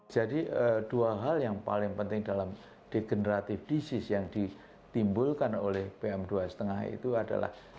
jadi dua hal yang paling penting dalam degenerative disease yang ditimbulkan oleh pm dua lima itu adalah